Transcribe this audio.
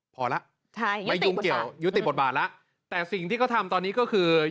พอแล้วไม่ยุ่งเกี่ยวยุติบทบาทแล้วแต่สิ่งที่เขาทำตอนนี้ก็คือ